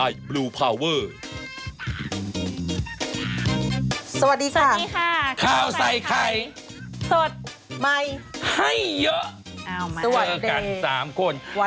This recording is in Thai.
เธอกัน๓คน